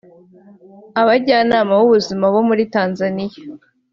Abajyanama b’ubuzima bo muri Tanzania